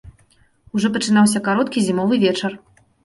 Ужо пачынаўся кароткі зімовы вечар.